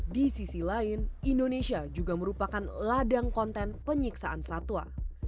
di sisi lain indonesia juga merupakan ladang konten penyiksaan satwa